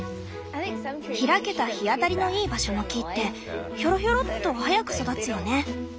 開けた日当たりのいい場所の木ってひょろひょろっと早く育つよね。